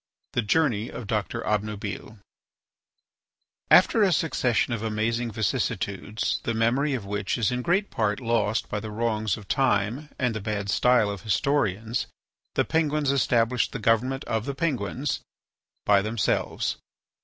III. THE JOURNEY OF DOCTOR OBNUBILE After a succession of amazing vicissitudes, the memory of which is in great part lost by the wrongs of time and the bad style of historians, the Penguins established the government of the Penguins by themselves.